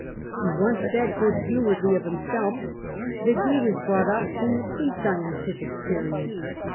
He once said goodhumour edly of himself, that he was brought up in the pre scientific period.